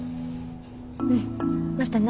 うんまたな。